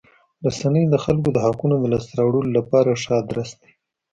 رسنۍ د خلکو د حقوقو د لاسته راوړلو لپاره ښه ادرس دی.